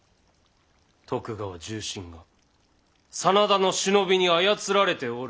徳川重臣が真田の忍びに操られておる。